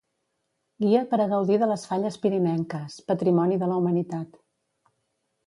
Guia per a gaudir de les falles pirinenques, Patrimoni de la Humanitat.